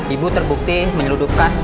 ibu terbukti menyeludupkan